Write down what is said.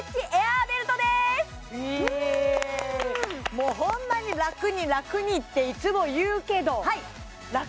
もうホンマに楽に楽にっていつも言うけど楽？